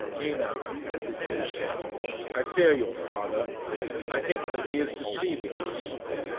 "Nina," the Jew said, "I fear your father. I think that he is deceiving us."